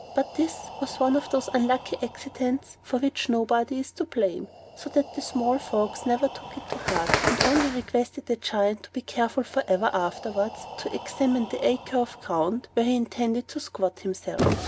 But this was one of those unlucky accidents for which nobody is to blame; so that the small folks never took it to heart, and only requested the Giant to be careful forever afterwards to examine the acre of ground where he intended to squat himself.